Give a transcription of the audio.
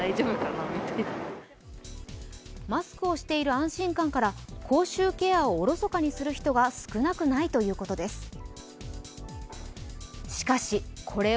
マスクをしている安心感から、口臭ケアをおろそかにする人が少なくないということです。